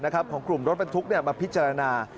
ของกลุ่มรถบรรทุกมาพิจารณา